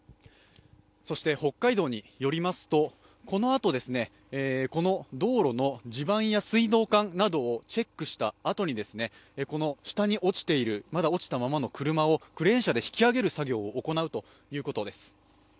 北海道によりますと、このあと、この道路の地盤や水道管などをチェックしたあとに、この下に落ちたままの車をクレーン車で引き上げる作業を行うということです。